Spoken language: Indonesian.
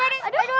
aduh aduh aduh